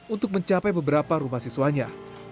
untuk mencapai beberapa rumah siswanya